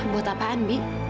buat apaan bi